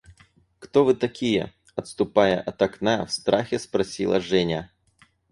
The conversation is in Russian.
– Кто вы такие? – отступая от окна, в страхе спросила Женя.